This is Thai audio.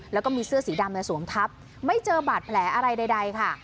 แล้วก็มีเสื้อสีดำสวมทับไม่เจอบาดแผลอะไรใดค่ะ